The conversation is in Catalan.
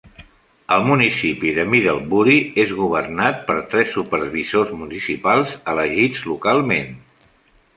El municipi de Middlebury és governat per tres supervisors municipals elegits localment.